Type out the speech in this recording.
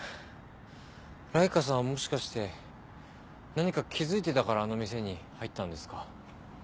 ライカさんはもしかして何か気付いてたからあの店に入ったんですか？